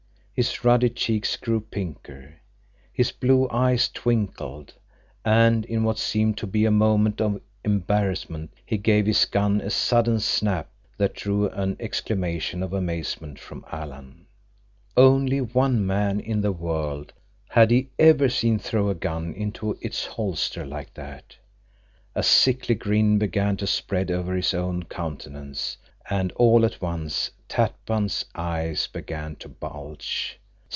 His ruddy cheeks grew pinker. His blue eyes twinkled, and in what seemed to be a moment of embarrassment he gave his gun a sudden snap that drew an exclamation of amazement from Alan. Only one man in the world had he ever seen throw a gun into its holster like that. A sickly grin began to spread over his own countenance, and all at once Tatpan's eyes began to bulge.